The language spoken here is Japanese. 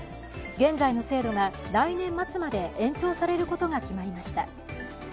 現在の制度が来年末まで延長されることが決まりました。